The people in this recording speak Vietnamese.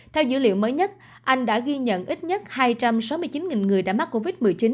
theo dữ liệu mới nhất anh đã ghi nhận ít nhất hai trăm sáu mươi chín người đã mắc covid một mươi chín